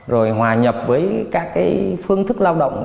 rồi hòa nhập với các phương thức lao động